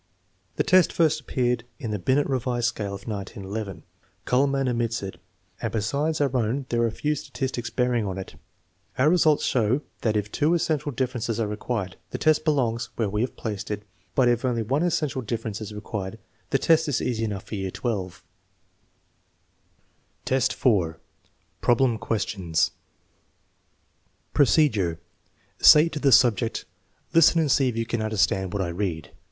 The test first appeared in the Binet revised scale of 1911. Kuhlmann omits it, and besides our own there are few statis tics bearing on it. Our results show that if two essential differences are required, the test belongs where we have placed it, but that if only one essential difference is required, the test is easy enough for year XII. XIV, 4. Problem questions Procedure. Say to the subject: " Listen, and see if you can understand what I read."